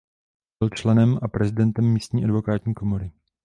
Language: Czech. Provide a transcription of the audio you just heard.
Byl členem a prezidentem místní advokátní komory.